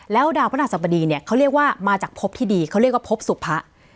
แล้วดาวพระราชสบดีเนี่ยเขาเรียกว่ามาจากพบที่ดีเขาเรียกว่าพบสุพะ